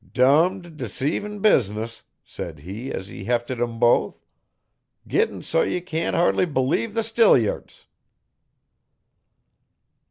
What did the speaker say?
'"Dummed deceivin' business," said he as he hefted 'em both. "Gittin' so ye can't hardly b'lieve the stillyards."'